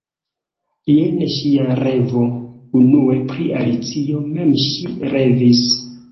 Jen ŝia revo: Unue pri Alicio mem ŝi revis.